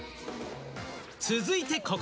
続いて、ここ！